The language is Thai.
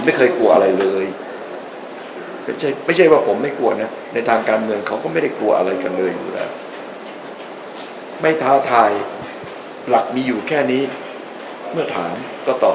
ไม่อยู่ไม่เคอร์อะไรเลยไม่ใช่ว่าผมไม่กลัวนะในทางการเบือนเขาก็ไม่ได้กลัวอะไรกันเลยครับไม่ท้าทายหลักมีอยู่แค่นี้เมื่อถามก็ตอบ